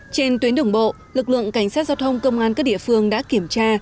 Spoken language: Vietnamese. trên tuyến đường bộ lực lượng cảnh sát giao thông công an các địa phương đã kiểm tra